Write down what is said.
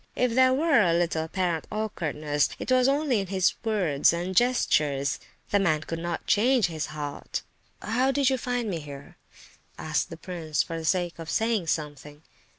If there were a little apparent awkwardness, it was only in his words and gestures. The man could not change his heart. "How did you—find me here?" asked the prince for the sake of saying something.